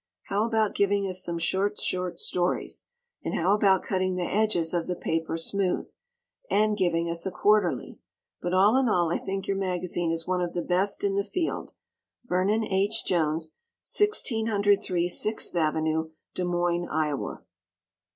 How about giving us some short short stories? And how about cutting the edges of the paper smooth? And giving us a quarterly? But all in all I think your magazine is one of the best in the field. Vernon H. Jones, 1603 Sixth Ave., Des Moines, Iowa.